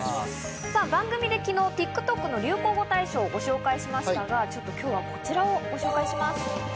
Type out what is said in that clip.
番組で昨日、ＴｉｋＴｏｋの流行語大賞をご紹介しましたが、今日はこちらをご紹介します。